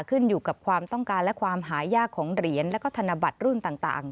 ขึ้นอยู่กับความต้องการและความหายากของเหรียญและธนบัตรรุ่นต่าง